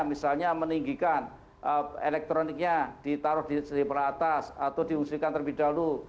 misalnya meninggikan elektroniknya ditaruh di peratas atau diungsikan terlebih dahulu